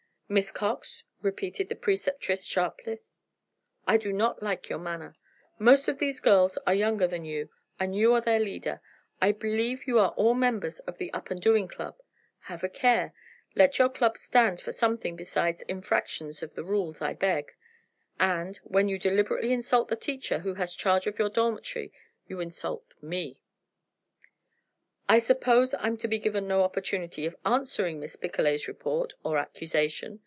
"Miss Cox," repeated the Preceptress, sharply, "I do not like your manner. Most of these girls are younger than you, and you are their leader. I believe you are all members of the Up and Doing Club. Have a care. Let your club stand for something besides infractions of the rules, I beg. And, when you deliberately insult the teacher who has charge of your dormitory, you insult me." "I suppose I'm to be given no opportunity of answering Miss Picolet's report, or accusation?"